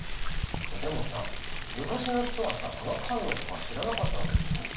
でもさ昔の人はさ化学反応とか知らなかったわけでしょ。